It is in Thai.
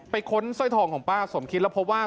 ไปค้นซ่อยทองของป้าสมคิดแล้วพบว่า